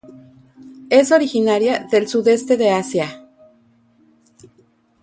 Es originaria del Sudeste de Asia.